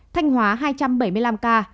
thanh hóa hai trăm bảy mươi năm ca